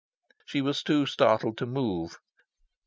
She was too startled to move.